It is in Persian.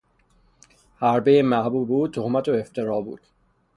حربهی محبوب او تهمت و افترا بود.